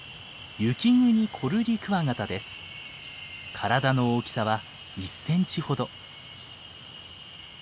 体の大きさは１センチほど。